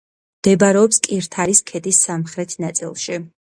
მდებარეობს კირთარის ქედის სამხრეთ ნაწილში.